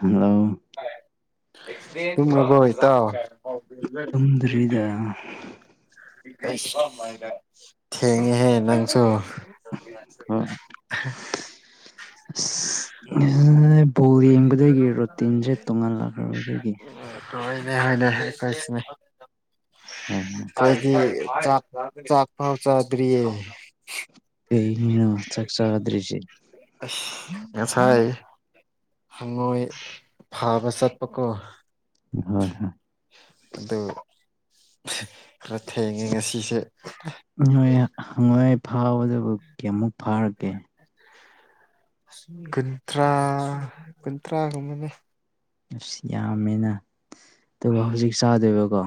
ꯍꯝꯂꯣ [unintelligible] ꯇꯒ꯭ꯔꯕꯣ ꯏꯇꯥꯎ ꯇꯨꯝꯗ꯭ꯔꯤꯗ ꯑꯩꯁ ꯊꯦꯡꯉꯦꯍꯦ ꯅꯪꯁꯨ ꯍꯣꯏ [unintelligible] ꯑꯁ [unintelligible] ꯕꯣꯜ ꯌꯦꯡꯕꯗꯒꯤ ꯔꯨꯇꯤꯟꯁꯦ ꯇꯣꯡꯍꯜꯂꯛꯈ꯭ꯔꯕꯗꯒꯤ [unintelligible] ꯍꯣꯏ ꯑꯩꯗꯤ ꯆꯥꯛ ꯆꯥꯛ ꯐꯥꯎ ꯆꯥꯗꯔꯤꯌꯦ ꯀꯩꯒꯤꯅꯣ ꯆꯥꯛ ꯆꯥꯗ꯭ꯔꯤꯁꯦ [unintelligible] ꯉꯁꯥꯏ ꯍꯪꯉꯣꯏ ꯐꯥꯕ ꯆꯠꯄꯀꯣ ꯍꯣꯏ ꯍꯣꯏ ꯑꯗꯨ ꯈꯔ ꯊꯦꯡꯉꯦ ꯉꯁꯤꯁꯦ ꯅꯣꯏ ꯍꯪꯉꯣꯏ ꯐꯥꯎꯕꯗꯕꯨ ꯀꯌꯥꯃꯨꯛ ꯐꯥꯔꯛꯀꯦ ꯀꯒꯨꯟꯊ꯭ꯔꯥ ꯀꯒꯨꯟꯊ꯭ꯔꯥꯒꯨꯝꯕꯅꯦ ꯑꯁ ꯌꯥꯝꯃꯦꯅ ꯑꯗꯨꯒ ꯍꯧꯖꯤꯛ ꯆꯥꯗꯣꯏꯕꯀꯣ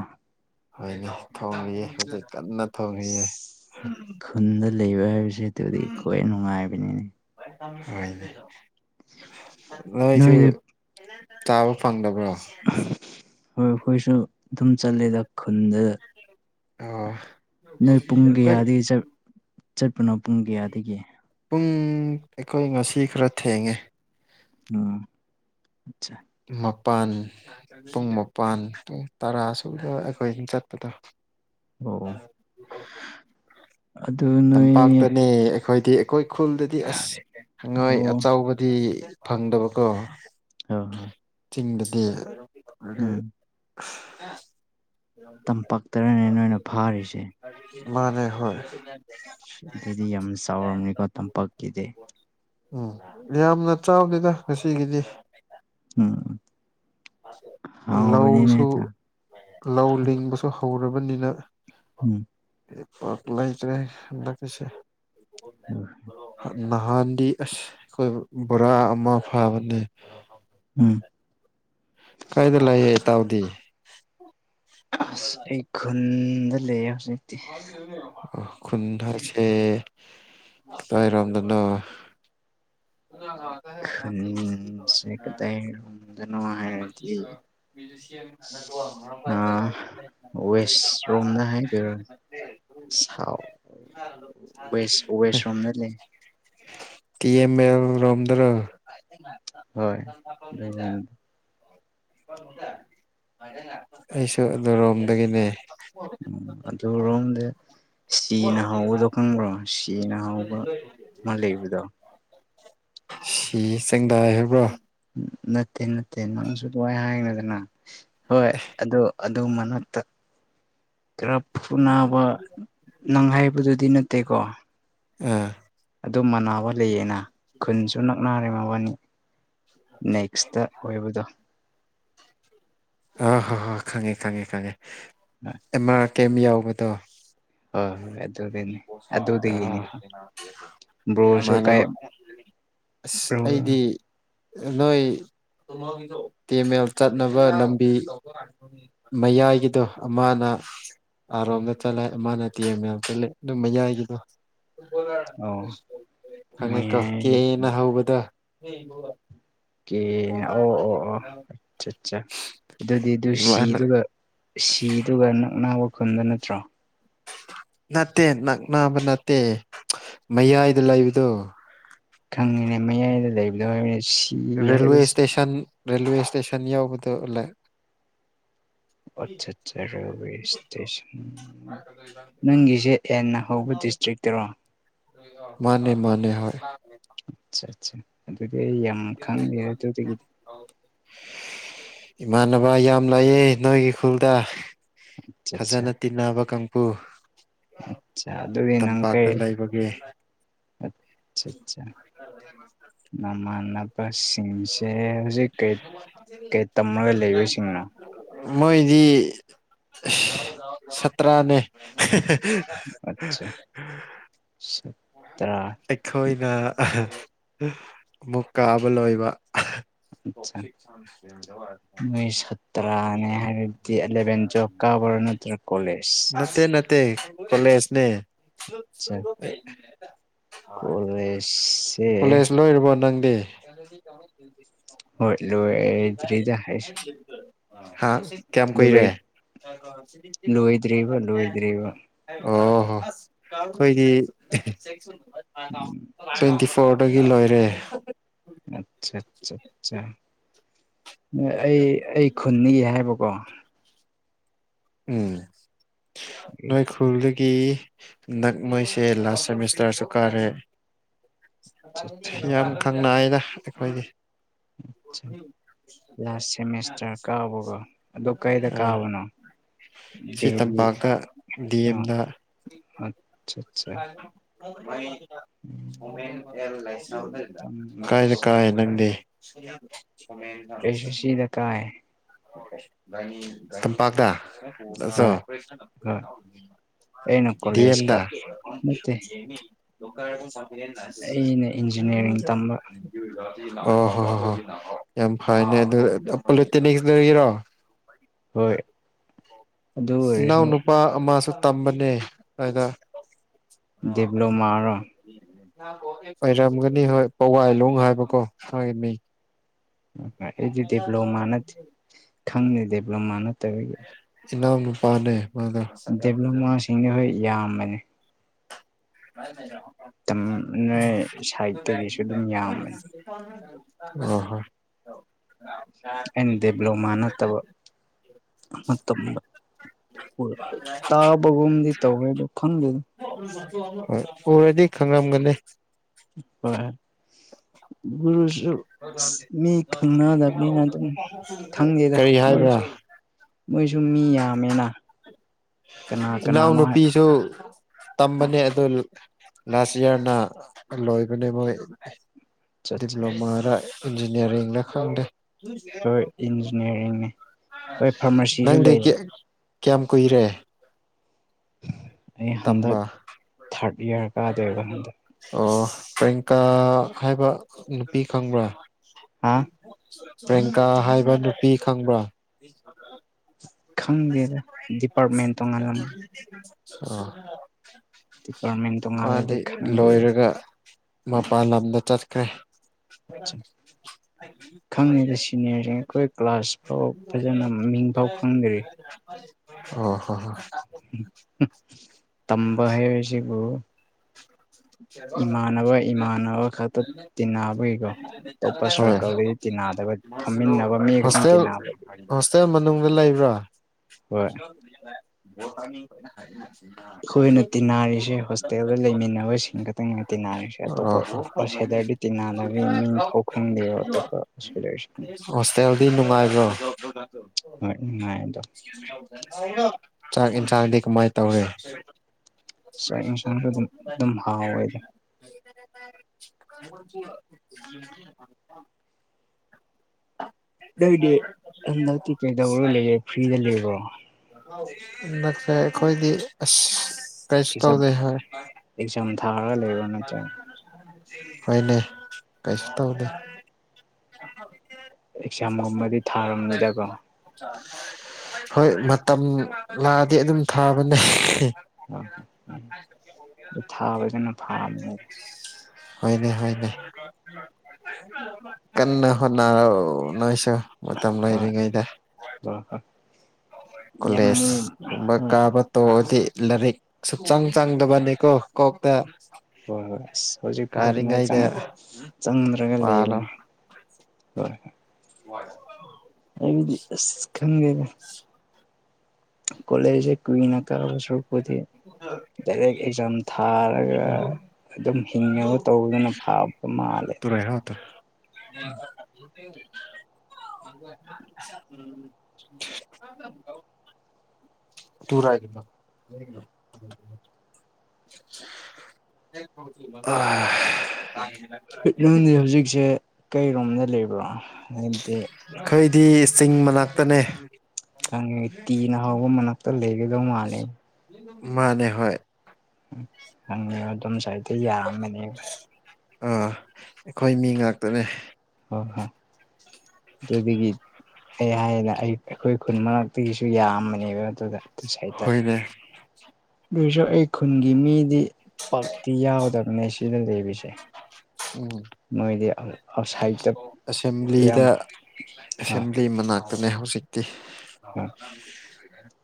ꯍꯣꯏꯅꯣ ꯊꯣꯡꯅꯤꯌꯦ ꯍꯧꯖꯤꯛ ꯀꯟꯅ ꯊꯣꯡꯔꯤꯌꯦ ꯑꯁ ꯈꯨꯟꯗ ꯂꯩꯕ ꯍꯥꯏꯕꯁꯤ ꯑꯗꯨꯗꯤ ꯈ꯭ꯋꯥꯏ ꯅꯨꯡꯉꯥꯏꯕꯅꯤꯅꯦ [unintelligible] ꯅꯣꯢꯁꯨ ꯅꯣꯏꯗꯤ ꯇꯥꯕ ꯐꯪꯗꯕ꯭ꯔꯣ ꯍꯣꯏ ꯑꯩꯈꯣꯏꯁꯨ ꯑꯗꯨꯝ ꯆꯠꯂꯦꯗ ꯈꯨꯟꯗꯗ ꯑꯣ ꯅꯣꯏ ꯄꯨꯡ ꯍꯣꯏ ꯀꯌꯥꯗꯒꯤ ꯆꯠ ꯆꯠꯄꯅꯣ ꯄꯨꯡ ꯀꯌꯥꯗꯒꯤ ꯄꯨꯡ ꯑꯩꯈꯣꯏ ꯉꯁꯤ ꯈꯔ ꯊꯦꯡꯉꯦ ꯑꯝ ꯑꯆꯥ ꯃꯄꯥꯟ ꯄꯨꯡ ꯃꯄꯥꯟ ꯇꯔꯥ ꯁꯨꯕ ꯑꯩꯈꯣꯏ ꯑꯗꯨꯝ ꯆꯠꯄꯗ ꯑꯣ ꯑꯗꯨ ꯅꯣꯏ ꯆꯝꯄꯥꯛꯇꯅꯤ ꯈꫭꯏꯗꯤ ꯑꯩꯈꯣꯏ ꯈꯨꯜꯗꯗꯤ ꯑꯣ ꯑꯁꯉꯣꯏ ꯍꯣꯏ ꯑꯆꯥꯎꯕꯗꯤ ꯐꯪꯗꯕꯀꯣ [unintelligible] ꯆꯤꯡꯗꯗꯤ ꯎꯝ [unintelligible] ꯇꯝꯄꯥꯛꯇꯔꯅꯦ ꯅꯣꯏꯅ ꯐꯥꯔꯤꯁꯦ ꯃꯥꯅꯦ ꯍꯣꯏ ꯑꯗꯨꯗꯤ ꯌꯥꯝ ꯆꯥꯎꯔꯝꯅꯤꯀꯣ ꯇꯝꯄꯥꯛꯀꯤꯗꯤ ꯎꯝ ꯌꯥꯝꯅ ꯆꯥꯎꯗꯦꯗ ꯉꯁꯤꯒꯤꯗꯤ ꯎꯝ ꯍꯥꯎꯕꯅꯤꯅꯦ ꯂꯧꯁꯨ ꯂꯧ ꯂꯤꯡꯕꯁꯨ ꯍꯧꯔꯕꯅꯤꯅ ꯎꯝ ꯄꯥꯛ ꯂꯩꯇ꯭ꯔꯦ ꯍꯟꯗꯛꯀꯤꯁꯦ [inaudible] ꯅꯍꯥꯟꯗꯤ ꯑꯁ ꯑꯩꯈꯣꯏ ꯕꯣꯔꯥ ꯑꯃ ꯐꯥꯕꯅꯦ ꯎꯝ ꯀꯥꯏꯗ ꯂꯩꯥꯛꯑꯦ ꯏꯇꯥꯎꯗꯤ ꯑꯁ ꯑꯩ ꯈꯨꯟꯗ ꯂꯩꯌꯦ ꯍꯧꯖꯤꯛ ꯑ ꯈꯨꯨꯟꯗ ꯍꯥꯁꯦ ꯅꫭꯏꯔꯣꯝꯗꯅꯣ [unintelligible] [unintelligible] ꯍꯥꯏꯔꯗꯤ ꯑꯥ [unintelligible] ꯋꯦꯁ ꯔꯣꯝꯅ ꯍꯥꯏꯗꫭꯏꯔ ꯁꯥꯎꯠ ꯋꯦꯁ ꯋꯦꯁ ꯔꯣꯝꯅ ꯂꯩ ꯇꯤ ꯑꯦꯝ ꯑꯦꯜ ꯂꫭꯝꯗꯔ ꯍꯣꯏ ꯑꯗꯨꯔꯣꯝ [unintelligible] ꯑꯩꯁꯨ ꯑꯗꯨ ꯔꯣꯝꯗꯒꯤꯅꯦ ꯑꯗꯨ ꯔꯣꯝꯗ ꯁꯤꯅ ꯍꯧꯕꯗꯣ ꯈꯪꯕ꯭ꯔꯣ ꯁꯤꯅ ꯍꯧꯕ ꯑꯃ ꯂꯩꯕꯗꯣ ꯁꯤ ꯆꯦꯡꯗꯥꯏ ꯍꯥꯏꯕ꯭ꯔꯣ ꯅꯠꯇꯦ ꯅꯠꯇꯦ ꯅꯪꯁꯨ ꯗꯨꯃꯥꯏ ꯍꯥꯏꯒꯅꯨꯗꯅ ꯍꯣꯏ ꯑꯗꯨ ꯑꯗꯨ ꯃꯛꯇ ꯈꯔ ꯐꯨꯅꯥꯕ ꯅꯪ ꯍꯥꯏꯕꯗꯨꯗꯤ ꯅꯠꯇꯦꯀꯣ ꯎꯝ ꯑꯗꯨ ꯃꯅꯥꯕ ꯂꯩꯌꯦꯅ ꯈꯨꯟꯁꯨ ꯅꯛꯅꯔꯦ ꯃꯕꯥꯅꯤ ꯅꯦꯛꯁꯇ ꯑꯣꯏꯕꯗꯣ ꯑ ꯍꯣ ꯍ ꯈꯪꯉꯦ ꯈꯪꯉꯦ ꯈꯪꯉꯦ ꯑꯃꯃ ꯀꯦꯝ ꯌꯥꯎꯕꯗꯣ ꯍꯣꯏ ꯍꯣꯏ ꯑꯗꯨꯗꯤꯅꯤ ꯑꯗꯨꯗꯒꯤꯅꯤ ꯑꯥ ꯭ꯔꯣꯁꯨ ꯀꯥꯏ ꯏꯃꯥꯟꯅꯕ ꯑꯁ ꯕ꯭ꯔꯣ ꯑꯩꯗꯤ ꯅꯣꯏꯦꯃꯦ ꯆꯠꯅꯕ ꯂꯝꯕꯤ ꯃꯌꯥꯏꯒꯤꯗꯣ ꯑꯃꯅ ꯑꯔꯣꯝꯗ ꯆꯠꯂꯦ ꯃꯥꯅ ꯇꯦꯟ ꯃꯌꯥꯝ ꯆꯠꯂꯦ ꯑꯗꯨꯝ ꯃꯌꯥꯏꯒꯤꯗꯣ ꯑꯣ [unintelligible] ꯈꯪꯉꯦꯀꯣ ꯀꯦꯅ ꯃꯌꯥꯏꯒꯤ ꯍꯧꯕꯗꫭ ꯀꯦ ꯑꯣ ꯑꯣ ꯑꯣ ꯑꯆꯠ ꯑꯠꯆꯥ ꯑꯗꯨꯗꯤ ꯑꯗꯨ ꯏꯃꯥꯅ ꯁꯤꯗꯨꯒ ꯁꯤꯗꯨꯒ ꯅꯛꯅꯕ ꯋꯥꯈꯟꯗ ꯅꯠꯇ꯭ꯔꯣ ꯅꯠꯇꯦ ꯅꯛꯅꯕ ꯅꯠꯇꯦ ꯃꯌꯥꯏꯗ ꯂꯩꯕꯗꯣ ꯈꯪꯉꯤꯅꯦ ꯃꯌꯥꯏꯗ ꯂꯩꯕꯗꯣ ꯁꯤ ꯔꯦꯜꯋꯦ ꯍꯥꯏꯕꯁꯤ ꯏꯁꯇꯦꯁꯟ ꯔꯦꯜꯋꯦ ꯏꯁꯇꯦꯁꯟ ꯌꯥꯎꯕꯗꯣꯂ ꯑꯆꯥ ꯑꯆꯥ ꯔꯦꯜꯋꯦ ꯏꯁꯇꯦꯁꯟ ꯅꯪꯒꯤꯁꯦ ꯑꯦꯟꯅ ꯍꯧꯕ ꯗꯤꯁꯇ꯭ꯔꯤꯛꯇꯔꯣ ꯃꯥꯅꯦ ꯃꯥꯅꯦ ꯍꫭꯏ ꯑꯆꯥ ꯑꯠꯆꯥ ꯑꯗꯨꯗꯤ ꯑꯩ ꯌꯥꯝ ꯈꯪꯗꯦ ꯑꯗꯨꯗꯒꯤꯗꯤ ꯏꯃꯥꯟꯅꯕ ꯌꯥꯝ ꯂꯥꯛꯑꯦ ꯅꯣꯏꯒꯤ ꯈꯨꯜꯗ ꯑꯆꯥ ꯐꯖꯅ ꯇꯤꯟꯅꯕ ꯀꯥꯡꯕꯨ ꯑꯆꯥ ꯑꯗꯨꯗꯤꯅꯪ ꯇꯝꯄꯥꯛꯇ ꯀꯩ ꯂꯩꯕꯒꯤ ꯑ ꯑꯆꯥ ꯃꯥꯃꯅ ꯕꯁꯁꯤꯡꯁꯦ ꯍꯧꯖꯤꯛ ꯀꯔꯤ ꯀꯩ ꯇꯝꯃꯒ ꯂꯩꯕꯁꯤꯡꯅꯣ ꯃꯣꯏꯗꯤ ꯁꯥꯇ꯭ꯔꯥꯅꯦ ꯑꯆꯥ ꯑꯩꯈꯣꯏꯅ ꯑꯃꯨꯛ ꯀꯥꯕ ꯂꯣꯏꯕ ꯑꯠꯆꯥ ꯇꯧꯋꯥ ꯅꯣꯏ ꯁꯥꯇ꯭ꯔꯥꯅꯦ ꯎꯇ꯭ꯔ ꯀꯣꯂꯦꯖ ꯀꯂꯦꯁꯅꯦ ꯑꯆꯥ ꯀꯣꯂꯦꯖꯁꯦ ꯀꯣꯂꯦꯖ ꯂꯣꯏꯔꯕꯣ ꯅꯪꯗꯤ ꯍꯣꯏꯂꯖꯔꯤꯖ ꯍꯥꯏꯁ ꯍꯥꯥ ꯀꯌꯥꯝ ꯀꯣꯏ ꯔꯦ ꯂꯣꯏꯗ꯭ꯔꯤꯕ ꯂꯣꯏꯗ꯭ꯔꯤꯕ ꯑꯣ ꯍꯣ ꯑꯩꯈꯣꯏꯗꯤ ꯎꯝ ꯇ꯭ꯋꯦꯟꯇꯤ ꯐ ꯄꯣꯔꯗꯒꯤ ꯂꯣꯏꯔꯦ ꯑꯆꯥ ꯑꯆꯥ ꯑꯆꯥ ꯑꯩ ꯑꯩ ꯈꯨꯟꯅꯤꯒꯤ ꯍꯥꯏꯕꯀꯣ ꯎꯝ ꯑꯩ ꯅꯣꯏ ꯈꯨ- ꯈꯔ ꯒꯤ ꯅꯛ ꯃꯣꯏꯁꯦ ꯂꯥꯁ ꯁꯦꯃꯤꯁꯇꯔꯁꯨ ꯀꯥꯔꯦ ꯑꯠꯆꯥ ꯌꯥꯝ ꯀꯪꯅꯏꯅ ꯑꯩꯈꯣꯏꯒꯤ ꯑꯠꯆꯥ ꯂꯥꯁ ꯁꯦꯃꯤꯁꯇꯔ ꯀꯥꯕꯒꯣ ꯑꯗꯨ ꯀꯩꯗ ꯑꯥ ꯀꯥꯕꯅꯣ ꯁꯤ ꯇꯝꯄꯥꯛꯇ ꯗꯤ ꯑꯦꯝꯗ ꯑ ꯀꯥꯏ ꯀꯥꯏꯅ ꯀꯥꯏ ꯅꯪꯗꯤ ꯑꯩꯁꯨ ꯁꯤꯗ ꯀꯥꯏ ꯇꯝꯄꯥꯛꯇ ꯍꯣꯏ ꯍꯣꯏ ꯑꯩꯅ ꯀꯣꯂꯦꯖꯀ ꯑꯦꯝꯗ ꯅꯠꯇꯦ ꯅꯤ ꯂ ꯑꯩꯅ ꯏꯟꯖꯤꯅꯤꯌꯥꯔꯤꯡ ꯇꯝꯕ ꯑꯣ ꯍꯣ ꯍꯣꯏ ꯍꯣꯏ ꯌꯥꯝ ꯐꯩꯅꯦ ꯑꯗꯨ ꯄꯣꯂꯤꯇꯦꯛꯅꯤꯛꯗꯒꯤꯔꯣ ꯍꯣꯏ ꯑꯗꯨ ꯑꯣꯏꯔꯁꯨ ꯏꯅꯥꯎꯅꯨꯄꯥ ꯑꯃꯁꯨ ꯇꯝꯕꯅꯦ ꯑꯗꯨꯗ ꯗꯦꯕꯂꯞꯃꯔꯣ ꯑꯣꯏꯔꯝꯒꯅꯤ ꯍꯣꯏ ꯄꯋꯥꯏꯂꯣꯡ ꯍꯥꯏꯕꯀꯣꯏ ꯃꯤ ꯑꯩ ꯑꯩꯗꯤ ꯗꯦꯕꯂꯞ ꯃꯥꯟꯅꯗꯦ ꯈꯪꯗꯦ ꯗꯦꯕꯂꯞ ꯃꯥꯟꯅꯗꯕ ꯏꯅꯥ ꯅꯨꯄꯥꯅꯦ ꯃꯥꯗ ꯁꯤꯡꯗ ꯍꯣꯏ ꯌꯥꯝꯕꯅꯦ [unintelligible] ꯃꯇꯝꯅ ꯁꯥꯏꯠꯇꯒꯤꯁꯨ ꯑꯗꯨꯝ ꯌꯥꯝꯕꯅꯤ ꯑ ꯍ ꯑꯩꯅ ꯗꯤꯄ꯭ꯂꯣꯃꯥ ꯅꯠꯇꯕ [unintelligible] ꯃꯇꯝꯗ ꯇꯥꯕꯒꯨꯝꯗꯤ ꯇꯧꯋꯦ ꯑꯗꯣ ꯈꯪꯗꯦꯗ ꯍꯣꯏ ꯎꯔꯗꯤ ꯈꯪꯉꯝꯒꯅꯤ ꯍꯣꯏ ꯨꯔꯨꯁꯨ ꯑ ꯃꯤ ꯈꯪꯅꯗꯕꯅꯤꯅ ꯑꯗꯨꯝ ꯈꯪꯗꯦꯗ ꯀꯔꯤ ꯍꯥꯏꯕ꯭ꯔꯥ ꯃꯣꯏꯁꯨ ꯃꯣꯏꯁꯨ ꯃꯤ ꯌꯥꯝꯃꯦꯅ ꯀꯅꯥ ꯏꯅꯥꯎ ꯀꯅꯥꯅꯣ ꯍꯥꯏ ꯅꯨꯄꯤꯁꯨ ꯇꯝꯕꯅꯦ ꯑꯗꯨ ꯂꯥꯁ ꯏꯌꯥꯔꯅ ꯂꯣꯏꯕꯅꯦ ꯃꯣꯏ ꯑꯠꯆꯥ ꯗꯤꯄ꯭ꯂꯣꯃꯥ ꯏꯟꯖꯤꯅꯤꯌꯔꯤꯡꯅ ꯈꯪꯗ ꯍꯣꯏ ꯏꯟꯖꯤꯅꯤꯌꯥꯔꯤꯡꯅꯦ ꯍꯣꯏ ꯐꯥꯔꯃꯥꯁꯤꯁꯨ ꯂꯩꯌꯦ [unintelligible] ꯀꯌꯥꯝ ꯀꯨꯏꯔꯦ ꯑꯩ ꯍꯟꯗꯛ ꯇꯝꯕ ꯊꯥꯔꯠ ꯏꯌꯥꯔ ꯀꯥꯗꯦꯕ ꯍꯟꯗꯛ ꯑꯣ ꯄ꯭ꯔꯌꯡꯀꯥ ꯍꯥꯏꯕ ꯅꯨꯄꯤ ꯈꯪꯕ꯭ꯔꯥ ꯍꯥ ꯄꯤꯌꯥꯀꯥ ꯍꯥꯏꯕ ꯅꯨꯄꯤ ꯈꯪꯕ꯭ꯔꯥ ꯈꯪꯗꯦ ꯗꯤꯄꯥꯔꯠꯃꯦꯟ [unintelligible] ꯇꯣꯉꯥꯜꯂꯗꯤ ꯃꯥꯗꯤ ꯈꯪꯗꯦꯕ ꯂꯣꯏꯔꯒ ꯃꯄꯥꯥꯟ ꯂꯝꯗ ꯆꯠꯈ꯭ꯔꯦ ꯈꯪꯗꯦꯗ ꯁꯤꯅꯤꯌꯔꯁꯤꯡ ꯑꯩꯈꯣꯏ ꯀ꯭ꯂꯥꯁ [unintelligible] ꯐꯖꯅ ꯃꯃꯤꯡ ꯄꯥꯎ ꯈꯪꯗꯔꯤ ꯑꯣ ꯍꯣ ꯇꯝꯕ ꯍꯁꯤꯕꯨ ꯏꯃꯥꯟꯅꯕ ꯈꯛꯇ ꯇꯤꯟꯅꯕꯒꯤꯀꯣ ꯑꯇꯣꯞꯄ ꯁꯥꯔꯀꯜꯗꯒꯤ ꯇꯤꯟꯅꯗꯕ ꯐꯝꯃꯤꯟꯅꯕ ꯃꯤ [unintelligible] ꯈꯛꯇꯪ ꯍꯣꯁꯇꯦꯜ ꯇꯤꯟꯅꯕ ꯍꯣꯁꯇꯦꯜ ꯃꯅꯨꯡꯗ ꯂꯩꯕ꯭ꯔꯥ ꯍꯣꯏ ꯑꯩꯈꯣꯏꯅ ꯇꯤꯟꯅꯔꯤꯁꯦ [unintelligible] ꯍꯣꯁꯇꯦꯜꯗ ꯂꯩꯃꯤꯟꯅꯕꯁꯤꯡ ꯈꯛꯇꯪ ꯇꯤꯟꯅꯔꯤꯁꯦ ꯑꯣ ꯑꯇꯣꯞꯄꯦꯗꯔꯗꯤ ꯇꯤꯟꯅꯕꯒꯤ ꯃꯤꯡ ꯄꯥꯎ ꯈꯪꯗꯦ ꯑꯇꯣꯞꯄꯁ ꯍꯣꯁꯇꯦꯜꯗꯤ ꯅꯨꯡꯉꯥꯏꯕ꯭ꯔꯣ ꯍꯣꯏ ꯅꯗꯣ ꯆꯥꯛ ꯌꯦꯟꯁꯥꯡꯗꯤ ꯀꯃꯥꯏꯅ ꯇꯧꯋꯦ ꯆꯥꯛ ꯌꯦꯟꯁꯥꯡꯁꯨ ꯑꯗꯨꯝ ꯑꯗꯨꯝ ꯍꯥꯎꯋꯦ ꯑꯗꯨꯝ [unintelligible] [inaudible] ꯑꯗꯨꯏꯗꯤ ꯍꯟꯗꯛꯇꯤ ꯀꯩꯗꯧꯔ ꯂꯩꯔꯦ ꯐ꯭ꯔꯤꯗ ꯂꯩꯕ꯭ꯔꯣ ꯍꯟꯗꯛꯁꯦ ꯑꯩꯈꯣꯏꯗꯤ ꯑꯁ ꯀꯩꯁꯨ ꯇꯧꯗꯦ ꯍꯥꯏ ꯑꯦꯁꯝ ꯊꯥ ꯂꯩꯕ ꯅꯠꯇꯥꯏ ꯍꯣꯏꯅꯦ ꯀꯩꯁꯨ ꯇꯧꯅꯦ ꯑꯦꯛꯖꯥꯝꯒꯨꯝꯕꯗꯤ ꯊꯥꯔꯕꯝꯅꯤꯗꯀꯣ ꯍꯣꯏ ꯃꯇꯝ ꯂꯥꯛꯑꯗꯤ ꯑꯗꯨꯝ ꯊꯥꯕꯅꯦ [unintelligible] ꯊꯥꯕꯁꯤꯅ ꯐꯥꯕꯅꯤ ꯍꯣꯏꯅꯦ ꯍꯣꯏꯅꯦ ꯀꯟꯅ ꯍꯣꯠꯅꯔ ꯅꯣꯏꯁꯨ ꯃꯇꯝ ꯍꯣꯏ ꯂꯩꯔꯤꯉꯩꯗ [unintelligible] ꯌꯥꯝ ꯀꯣꯂꯦꯁ ꯈꯨꯝꯕ ꯍꯣꯏ ꯀꯥꯕꯥ ꯇꯧꯑꯗꯤ ꯂꯥꯏꯔꯤꯛ ꯁꯨꯛꯆꯪ ꯆꯪꯗꯕꯅꯤꯀꯣ ꯀꯣꯛꯇ ꯍꯣꯏ ꯍꯣꯏ ꯑꯁ ꯍꯧꯖꯤꯛ ꯐꯥꯎꯗꯨꯃꯥꯏꯅ ꯀꯥꯔꯤꯉꯩꯗ ꯆꯪꯗ꯭ꯔꯒ ꯄꯥꯜꯂꯣ ꯂꯩꯕꯅꯦ ꯍꯣꯏꯣꯏ ꯍꯣꯏ ꯑꯩꯕꯗꯤ ꯑꯁ ꯈꯪꯒꯦꯅꯦ ꯀꯣꯂꯦꯖꯁꯦ ꯀꯨꯏꯅ ꯀꯛꯕ ꯁꯔꯨꯛꯄꯨꯗꯤ ꯗꯥꯏꯔꯦꯛ ꯑꯦꯛꯖꯥꯝ ꯊꯥꯔ ꯑꯗꯨꯒ ꯑꯗꯨꯝ ꯍꯤꯡꯅꯕ ꯇꯧꯗꯨꯅ ꯐꯥꯕ ꯃꯥꯜꯂꯦ [unintelligible] [unintelligible] [unintelligible] [unintelligible] [unintelligible] ꯅꯪꯗꯤ ꯍꯧꯖꯤꯛꯁꯦ ꯀꯩꯔꯣꯝꯗ ꯂꯩꯕ꯭ꯔꯣ ꯍꯥꯏꯕꯗꯤ ꯑꯩꯈꯩꯗꯤ ꯆꯤꯡ ꯃꯅꯥꯛꯇꯅꯦ ꯈꯪꯉꯦ ꯇꯤꯅ ꯍꯧꯕ ꯃꯅꯥꯛꯇ ꯂꯩꯒꯗꯧ ꯃꯥꯜꯂꯦ ꯃꯥꯅꯦ ꯍ ꯍꯪꯉꯤꯕ ꯑꯗꯨꯝ ꯁꯁꯋꯥꯗ ꯌꯥꯔꯝꯕꯅꯦꯕ ꯑꯥ ꯑꯩꯈꯣꯏ ꯃꯤ ꯉꯥꯛꯇꯅꯦ ꯍ ꯍꯣ ꯑꯗꯨꯗꯤꯒꯤ ꯑꯩ ꯍꯥꯏꯌꯦꯅ ꯑꯩ ꯑꯩꯈꯣꯏ ꯈꯨꯟ ꯃꯔꯛꯇꯒꯤꯁꯨ ꯌꯥꯝꯕꯅꯦꯕ ꯑꯗꯨꯗ ꯑꯗꯨ ꯁꯥꯏꯗ ꯍꯣꯏꯅꯦ ꯑꯗꯨꯏꯁꯨ ꯑꯩ ꯈꯨꯟꯒꯤ ꯃꯤꯗꯤ ꯄꯛꯇꯤ ꯌꯥꯎꯒꯗꯕꯅꯦ ꯁꯤꯗ ꯂꯩꯔꯤꯁꯦ ꯎꯝ ꯑꯥꯎꯠꯁꯥꯏꯗꯠꯇ ꯌꯥꯝ ꯑꯦꯁꯦꯝꯕ꯭ꯂꯤꯗꯁꯦꯝ ꯑꯥ ꯂꯩ ꯃꯅꯥꯛꯇꯅꯦ ꯍꯧꯖꯤꯛꯇꯤ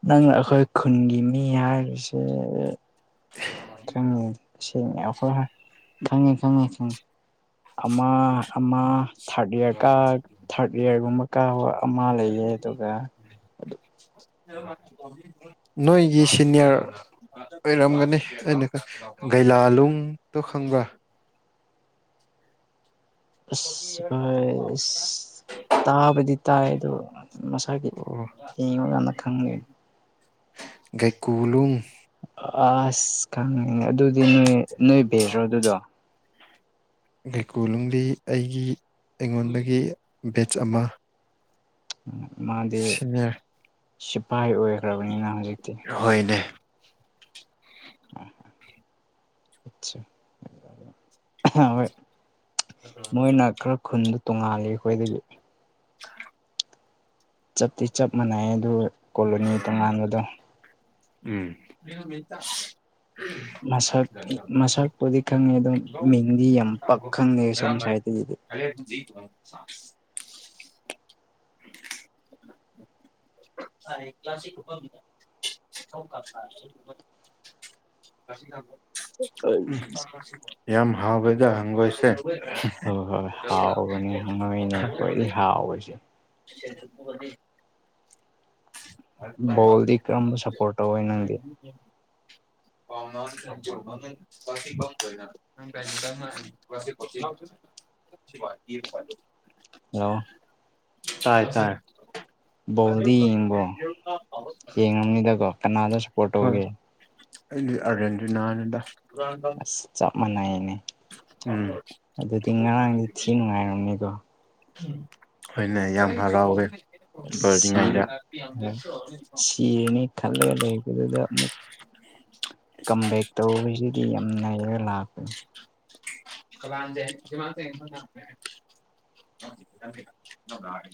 ꯅꯪ ꯑꯩꯈꯣꯏ ꯈꯨꯟꯒꯤ ꯃꯤ ꯍꯥꯏꯔꯤꯁꯦ ꯈꯪꯉꯤ ꯁꯦꯡꯅ ꯈꯣꯏ ꯈꯉꯦ ꯈꯉꯦ ꯈꯉꯤ ꯑꯃꯥ ꯑꯃ ꯊꯥꯔꯠ ꯏꯌꯥꯔ ꯀ ꯊꯥꯔꯠ ꯏꯌꯥꯔꯒꯨꯝꯕ ꯀꯥꯕ ꯑꯃ ꯂꯩꯌꯦ ꯑꯗꯨꯒ ꯅꯣꯏꯒꯤ ꯁꯤꯅꯤꯌꯔ ꯑꯣꯏꯔꯝꯒꯅꯤ ꯑꯩꯅ ꯒꯩꯂꯥꯂꯨꯡꯗꯣ ꯈꯪꯕ꯭ꯔ ꯑꯁ ꯐꯣꯏ ꯑꯁ ꯇꯥꯕꯗꯤ ꯇꯥꯏ ꯑꯗꯣ ꯃꯁꯥꯒꯤ ꯑꯣ ꯌꯦꯡꯉ ꯀꯥꯟꯗ ꯈꯪꯗꯦ ꯀꯨꯂꯨꯨꯝ ꯑꯁ ꯈꯪꯉꯤ ꯑꯗꯨꯗꯤ ꯅꯣꯏ ꯅꯣꯏ ꯕꯦꯗ꯭ꯔꯣ ꯑꯗꯨꯗꯣ ꯀꯩꯀꯨꯅꯨꯡꯗꯤ ꯑꯩꯒꯤ ꯑꯩꯉꯣꯟꯗꯒꯤ ꯕꯦꯆ ꯑꯃ ꯃꯥꯗꯤ ꯁꯤꯅꯤꯌꯔ ꯁꯤꯐꯥꯏ ꯑꯣꯏꯈ꯭ꯔꯕꯅꯤꯅ ꯍꯧꯖꯤꯛꯇꯤ ꯍꯣꯏꯅꯦ ꯑꯣꯏ ꯃꯣꯏꯅ ꯈꯔ ꯈꯨꯟꯗ ꯇꯣꯡꯉꯥꯜꯂꯤ ꯑꯩꯈꯣꯏꯗꯒꯤ ꯊ ꯆꯞꯇꯤ ꯆꯞ ꯃꯥꯟꯅꯩ ꯑꯗꯨ ꯀꯣꯂꯣꯅꯤ ꯇꯣꯉꯥꯟꯕꯗꯣ ꯎꯝ ꯃꯁꯛ ꯃꯁꯛꯄꯨꯗꯤ ꯈꯪꯉꯦ ꯑꯗꯨꯝ ꯃꯤꯡꯗꯤ ꯌꯥꯝ ꯄꯛ ꯈꯪꯉꯦ ꯁꯣꯝ ꯁ꯭ꯋꯥꯏꯗꯗꯤ ꯈ ꯑꯗꯨ ꯍ ꯀ꯭ꯂ ꯀ꯭ꯂꯁꯤ [unintelligible] ꯍꯣꯏ [unintelligible] ꯌꯥꯝ ꯍꯥꯎꯕꯗ ꯍꯪꯒꯣꯏꯁꯦ ꯍꯣꯏ ꯍꯣꯏ ꯍꯥꯎꯕꯅꯦ ꯍꯪꯉꯣꯏꯅꯦ ꯀꯣꯏꯗꯤ ꯍꯥꯎꯁꯦ ꯗꯤ [unintelligible] ꯕꯣꯜꯗꯤ ꯀꯔꯝꯕ ꯁꯞꯄꯣꯔꯠ ꯇꯧꯋꯦ ꯅꯪꯗꯤ ꯍꯥꯎꯃ ꯈꯃ ꯄ ꯀ ꯃꯥꯒꯤ ꯐꯂ ꯑꯎ ꯇꯥꯏ ꯇꯥꯏ ꯕꯣꯜꯗꯤ ꯌꯦꯡꯕ꯭ꯔꯣ ꯌꯦꯡꯉꯝꯅꯤꯗꯀꯣ ꯀꯅꯥꯗ ꯁꯞꯄꯣꯔꯠ ꯇꯧꯒꯦ ꯑꯔ ꯅꯅꯦꯗ ꯑꯁ ꯆꯞ ꯃꯥꯟꯅꯩꯅꯦ ꯎꯝ ꯑꯗꯨꯗꯤ ꯉꯔꯥꯡꯗꯤ ꯊꯤ ꯅꯨꯡꯉꯥꯏꯔꯝꯅꯤꯗꯣ ꯍꯣꯏꯅꯦ ꯌꯥꯝ ꯍꯔꯥꯎꯋꯦ ꯁꯤ ꯄꯔꯤꯉꯩꯗ ꯁꯤꯔꯅꯤ ꯈꯜꯂꯒ ꯂꯩꯕꯗꯨꯗ ꯑꯃꯨꯛ [unintelligible] ꯀꯝꯝꯕꯦꯛ ꯇꯧꯕꯁꯤꯗꯤ ꯌꯥꯝ ꯩꯔ ꯂꯥꯛꯄꯦ ꯀꯗꯃ ꯐꯔ